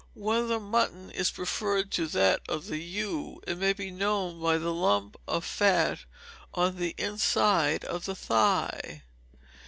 Wether mutton is preferred to that of the ewe; it may be known by the lump of fat on the inside of the thigh.